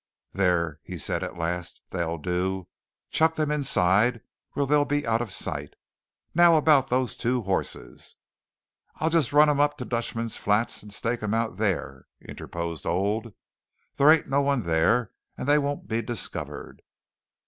"There," said he at last, "they'll do. Chuck them inside where they'll be out of sight. Now about those two horses " "I'll just run 'em up to the Dutchman's Flat and stake 'em out thar," interposed Old. "Thar ain't no one thar; and they won't be discovered."